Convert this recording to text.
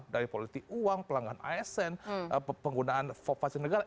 dari politik uang pelanggaran asn penggunaan fasilitas negara